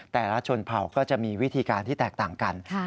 แต่ละชนเผ่าก็จะมีวิธีการที่แตกต่างกัน